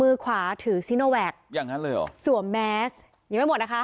มือขวาถือซิโนแวคอย่างนั้นเลยเหรอสวมแมสยังไม่หมดนะคะ